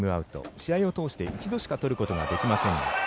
試合を通して１回しか取ることができません。